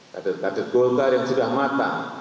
kader kader golkar yang sudah matang